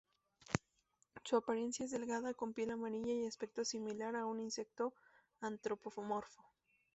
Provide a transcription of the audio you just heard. Su apariencia es delgada, con piel amarilla y aspecto similar a un insecto antropomorfo.